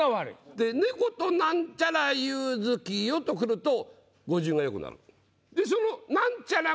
で「猫となんちゃら夕月夜」とくると語順がよくなる。